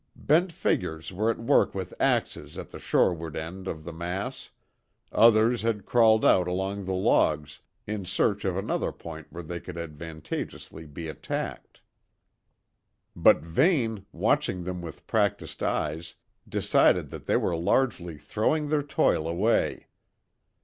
Bent figures were at work with axes at the shoreward end of the mass; others had crawled out along the logs, in search of another point where they could advantageously be attacked; but Vane, watching them with practised eyes, decided that they were largely throwing their toil away.